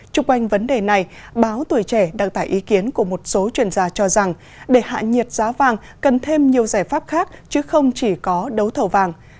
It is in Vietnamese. trung quanh vấn đề này báo tuổi trẻ đăng tải ý kiến của một số chuyên gia cho rằng để hạ nhiệt giá vàng cần thêm nhiều giải pháp khác chứ không chỉ có đấu thầu vàng